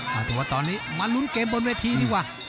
ถือว่าตอนนี้มาลุ้นเกมบนเวทีดีกว่า